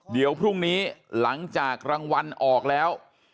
เดี๋ยวพรุ่งนี้หลังจากรางวัลออกแล้ว